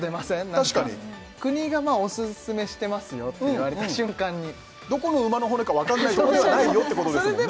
何か確かに国がおすすめしてますよって言われた瞬間にどこの馬の骨か分かんないとこではないよってことですもんね